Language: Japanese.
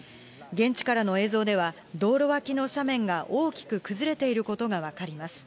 現地からの映像では、道路脇の斜面が大きく崩れていることが分かります。